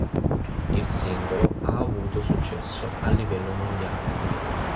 Il singolo ha avuto successo a livello mondiale.